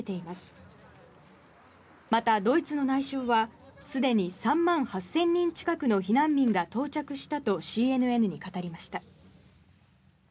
また、ドイツの内相はすでに３万８０００人近くの避難民が到着したとＣＮＮに語りました。